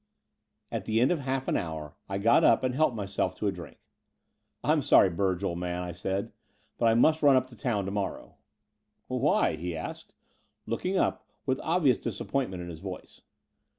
At the end of half an hour I got up and helped myself to a drink. "I am sorry, Burge, old man,'* I said; "but I must run up to town to morrow.*' Why?" he asked, looking up, with obvious disappointment in his voice.